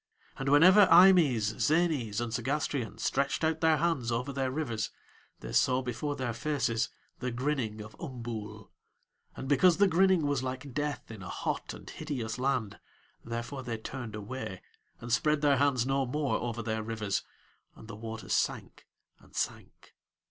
And whenever Eimës, Zänës, and Segástrion stretched out their hands over their rivers they saw before their faces the grinning of Umbool; and because the grinning was like death in a hot and hideous land therefore they turned away and spread their hands no more over their rivers, and the waters sank and sank.